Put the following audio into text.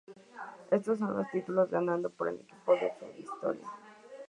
Estos son los títulos ganados por el equipo en su historia.